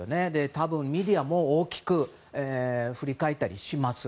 多分メディアも大きく振り返ります。